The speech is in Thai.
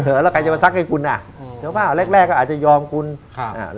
เอาเพื่อมาแลกเหรอ